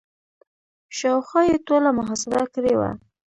شاوخوا یې ټوله محاصره کړې وه.